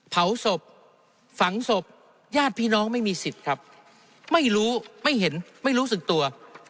เผาศพฝังศพญาติพี่น้องไม่มีสิทธิ์ครับไม่รู้ไม่เห็นไม่รู้สึกตัว